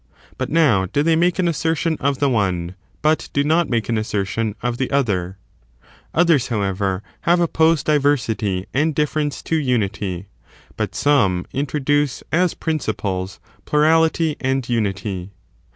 But now do they make an assertion of the one, but do not make an assertion of the other. Others, however, have opposed diversity and ^^^^^ ^j^^ difference to unity ; but some introduce, as prin oppose diver ciples, plurality and unity.